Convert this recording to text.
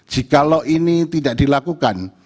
jikalau ini tidak dilakukan